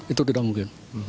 itu tidak mungkin